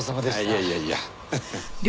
いやいやいや。